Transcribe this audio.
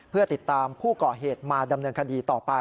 เพื่อติดตามผู้ก่อเหตุมาดำเนินคดีต่อไป